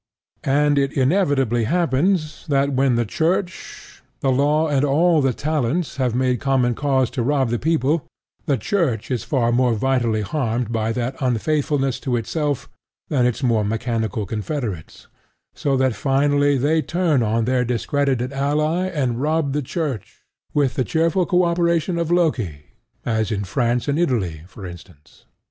And it inevitably happens that when the Church, the Law, and all the Talents have made common cause to rob the people, the Church is far more vitally harmed by that unfaithfulness to itself than its more mechanical confederates; so that finally they turn on their discredited ally and rob the Church, with the cheerful co operation of Loki, as in France and Italy for instance.